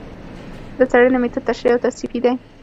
د څېړنې مېتود تشریحي او توصیفي دی